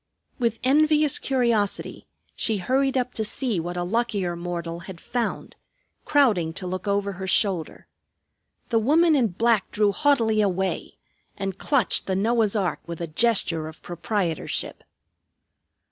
With envious curiosity she hurried up to see what a luckier mortal had found, crowding to look over her shoulder. The woman in black drew haughtily away and clutched the Noah's ark with a gesture of proprietorship.